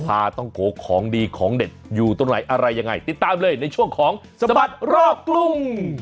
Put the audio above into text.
พาต้องโกของดีของเด็ดอยู่ตรงไหนอะไรยังไงติดตามเลยในช่วงของสบัดรอบกรุง